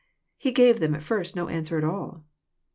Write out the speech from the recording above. He gave them at first no answer at all.